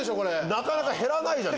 なかなか減らないじゃん。